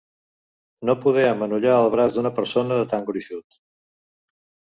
No poder amanollar el braç d'una persona, de tan gruixut.